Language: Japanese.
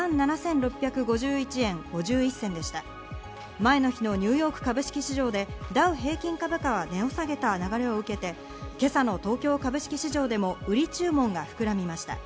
前の日のニューヨーク株式市場でダウ平均株価が値を下げた流れを受けて今朝の東京株式市場でも売り注文が膨らみました。